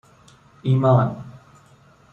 ایمان